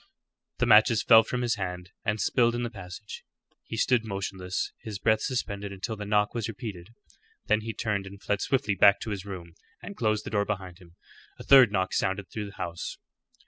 The matches fell from his hand and spilled in the passage. He stood motionless, his breath suspended until the knock was repeated. Then he turned and fled swiftly back to his room, and closed the door behind him. A third knock sounded through the house.